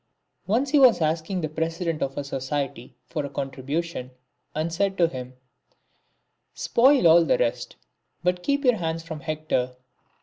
" Once he was asking the president of a society for a contribution, and said to him: —." Spoil all the rest, but keep your hands from Hector."